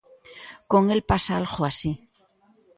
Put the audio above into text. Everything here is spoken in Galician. Con el pasa algo así.